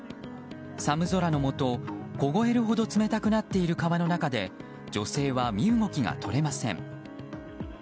寒空のもと、凍えるほど冷たくなっている川の中で女性は身動きが取れません。